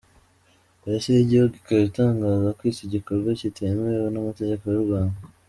Polisi y’igihugu ikaba itangaza ko iki gikorwa kitemewe n’amategeko y’u Rwanda.